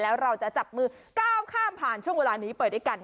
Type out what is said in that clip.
แล้วเราจะจับมือก้าวข้ามผ่านช่วงเวลานี้ไปด้วยกัน